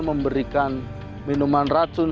memberikan minuman racun